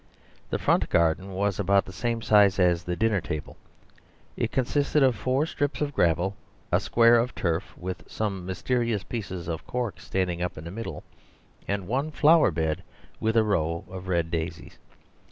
The front garden was about the same size as the dinner table; it consisted of four strips of gravel, a square of turf with some mysterious pieces of cork standing up in the middle and one flower bed with a row of red daisies.